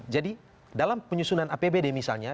jadi dalam penyusunan apbd misalnya